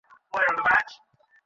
ঠিক আছে, আস্তে।